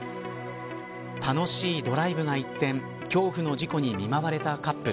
楽しいドライブが一転恐怖の事故に見舞われたカップル。